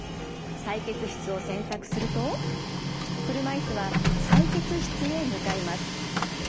採血室を選択すると車いすは採血室へ向かいます。